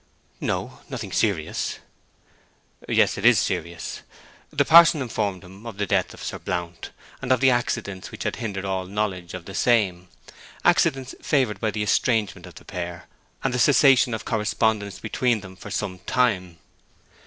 'No! Nothing serious?' 'Yes, it is serious.' The parson informed him of the death of Sir Blount, and of the accidents which had hindered all knowledge of the same, accidents favoured by the estrangement of the pair and the cessation of correspondence between them for some time.